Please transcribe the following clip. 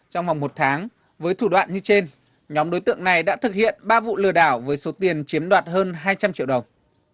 trong vòng một tháng với thủ đoạn như trên nhóm đối tượng này đã thực hiện ba vụ lừa đảo với số tiền chiếm đoạt hơn hai trăm linh triệu đồng